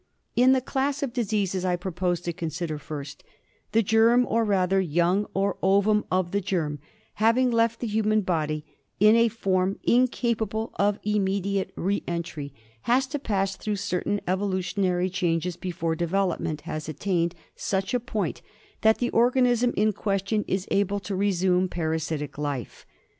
In the class of diseases I propose to consider first, the germ, or, rather, young or ovum of the germ, having left the human body in a form incapable of immediate re entry, has to pass through certain evolutionary changes before development has attained such a point that the organism in question is able to resume parasitic life.